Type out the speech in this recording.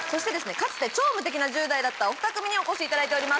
かつて超無敵な１０代だったおふた組にお越しいただいてます